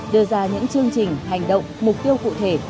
đưa ra những chương trình hành động mục tiêu cụ thể